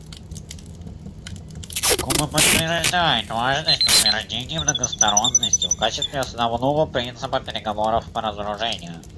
Куба подтверждает важность утверждения многосторонности в качестве основного принципа переговоров по разоружению.